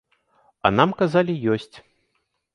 А нам казалі, ёсць!